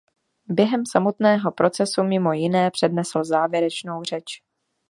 Během samotného procesu mimo jiné přednesl závěrečnou řeč.